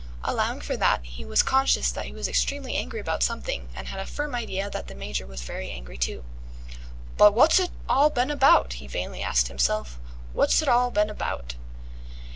Allowing for that, he was conscious that he was extremely angry about something, and had a firm idea that the Major was very angry too. "But woz'it all been about?" he vainly asked himself. "Woz'it all been about?"